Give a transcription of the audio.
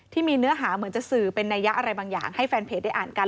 เนื้อหาเหมือนจะสื่อเป็นนัยยะอะไรบางอย่างให้แฟนเพจได้อ่านกัน